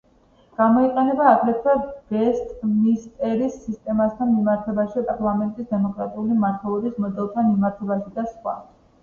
გამოიყენება, აგრეთვე, ვესტმინსტერის სისტემასთან მიმართებაში, პარლამენტის დემოკრატიული მმართველობის მოდელთან მიმართებაში და სხვა.